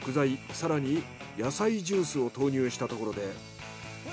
更に野菜ジュースを投入したところで。